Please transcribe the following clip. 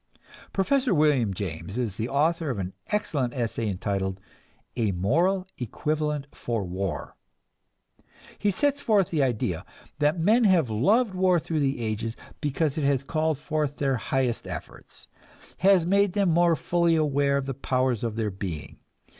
Professor William James is the author of an excellent essay entitled "A Moral Equivalent for War." He sets forth the idea that men have loved war through the ages because it has called forth their highest efforts, has made them more fully aware of the powers of their being.